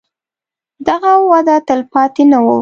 دغه وده تلپاتې نه وي.